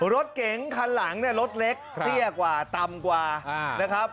รถเก๋งคันหลังเนี่ยรถเล็กเตี้ยกว่าต่ำกว่านะครับ